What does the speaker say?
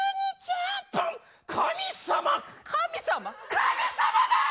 神様だ！